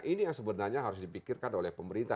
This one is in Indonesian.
ini yang sebenarnya harus dipikirkan oleh pemerintah